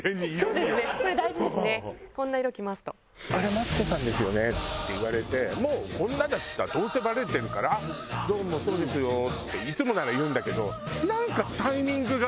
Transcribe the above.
マツコさんですよね？」って言われてもうこんなだしさどうせバレてるから「あっどうもそうですよ」っていつもなら言うんだけどなんかタイミングが。